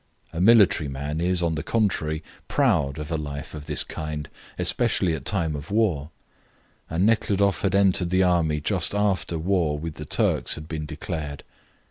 A military man is, on the contrary, proud of a life of this kind especially at war time, and Nekhludoff had entered the army just after war with the Turks had been declared.